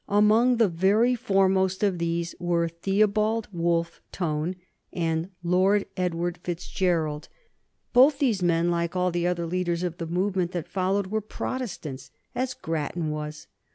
Among the very foremost of these were Theobald Wolfe Tone and Lord Edward Fitzgerald. Both these men, like all the other leaders of the movement that followed, were Protestants, as Grattan was.